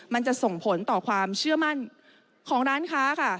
มันจะส่งผลต่อความเชื่อมั่นของร้านค้าค่ะ